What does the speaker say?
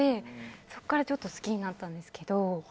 そこから好きになったんですけど。